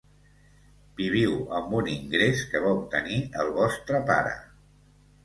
Viviu amb un ingrés que va obtenir el vostre pare.